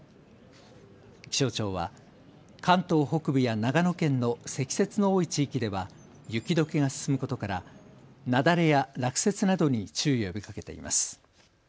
気象庁は関東北部や長野県の積雪の多い地域では雪どけが進むことから雪崩や落雪などに注意を呼びかけています。